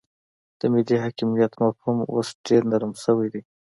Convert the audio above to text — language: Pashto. د ملي حاکمیت مفهوم اوس ډیر نرم شوی دی